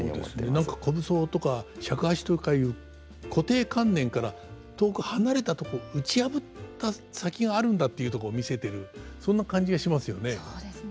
何か虚無僧とか尺八とかいう固定観念から遠く離れたとこ打ち破った先があるんだっていうとこ見せてるそんな感じがしますよね。